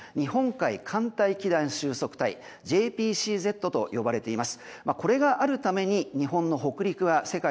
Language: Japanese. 日本海寒帯団収束帯・ＪＰＣＺと呼ばれています。